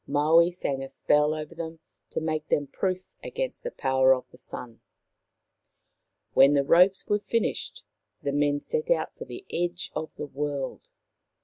Maui sang a spell over them to make them proof against the power of the Sun. When the ropes were finished the men set out for the edge of the world.